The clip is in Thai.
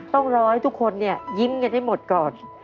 ต้องรอให้ทุกคนเนี่ยยิ้มกันให้หมดก่อน